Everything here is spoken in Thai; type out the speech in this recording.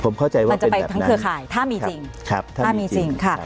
มันจะไปทั้งเครือข่ายถ้ามีจริงถ้ามีจริงค่ะ